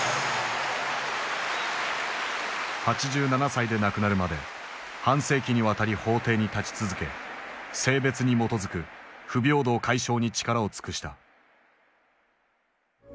８７歳で亡くなるまで半世紀にわたり法廷に立ち続け性別に基づく不平等解消に力を尽くした。